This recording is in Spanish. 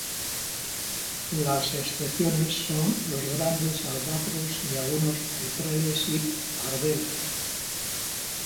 Las excepciones son los grandes albatros y algunos petreles y pardelas.